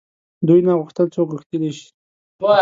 دوی نه غوښتل څوک غښتلي شي.